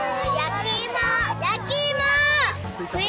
焼き芋！